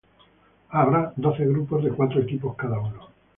Habrá doce grupos de cuatro equipos cada uno.